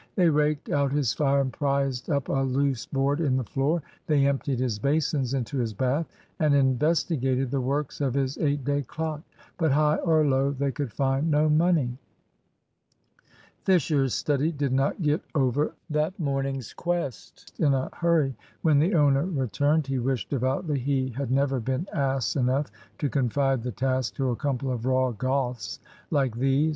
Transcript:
They raked out his fire, and prised up a loose board in the floor. They emptied his basins into his bath, and investigated the works of his eight day clock. But high or low they could find no money. Fisher's study did not get over that morning's quest in a hurry. When the owner returned, he wished devoutly he had never been ass enough to confide the task to a couple of raw Goths like these.